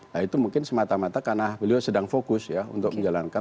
nah itu mungkin semata mata karena beliau sedang fokus ya untuk menjalankan